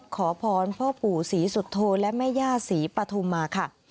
ขอพรพ่อปู่ศรีสุโธและแม่ย่าศรีปฐุมาค่ะ